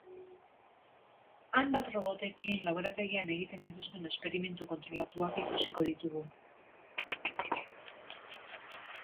Hainbat robotekin laborategian egiten dituzten esperimentu kontrolatuak ikusiko ditugu.